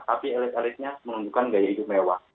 tapi elek eleknya menunjukkan gaya hidup mewah